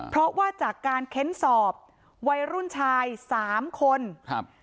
เพราะว่าจากการเค้นสอบวัยรุ่นชายสามคนครับ